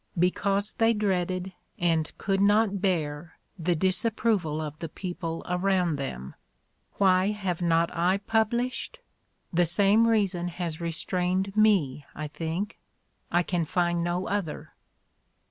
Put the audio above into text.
Because they dreaded (cmd could not hear) the disapproval of the people around them. Why have not I published? The same reason has re strained me, I think. I can find no other."